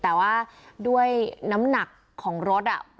แต่ว่าด้วยน้ำหนักของรถ